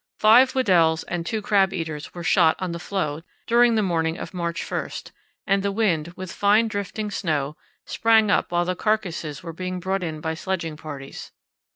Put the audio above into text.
Five Weddells and two crab eaters were shot on the floe during the morning of March 1, and the wind, with fine drifting snow, sprang up while the carcasses were being brought in by sledging parties.